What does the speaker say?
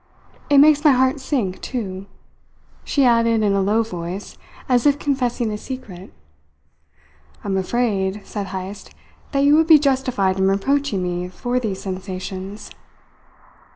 It makes my heart sink, too," she added in a low voice, as if confessing a secret. "I'm afraid," said Heyst, "that you would be justified in reproaching me for these sensations.